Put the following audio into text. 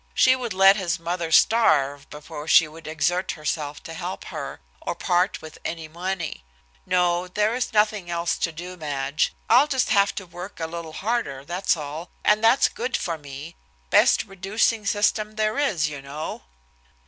She would let his mother starve before she would exert herself to help her, or part with any money. No, there is nothing else to do, Madge. I'll just have to work a little harder, that's all, and that's good for me, best reducing system there is, you know."